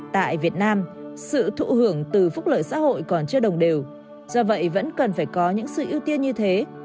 tại việt nam sự thụ hưởng từ phúc lợi xã hội còn chưa đồng đều do vậy vẫn cần phải có những sự ưu tiên như thế